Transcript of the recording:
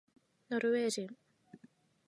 ノルウェー人